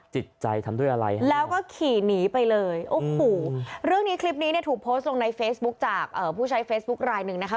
จิตใจทำด้วยอะไรแล้วก็ขี่หนีไปเลยโอ้โหเรื่องนี้คลิปนี้เนี่ยถูกโพสต์ลงในเฟซบุ๊คจากผู้ใช้เฟซบุ๊คลายหนึ่งนะคะ